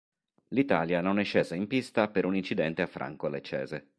L'Italia non è scesa in pista per un incidente a Franco Leccese.